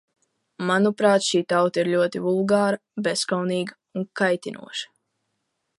Manuprāt, šī tauta ir ļoti vulgāra, bezkaunīga un kaitinoša.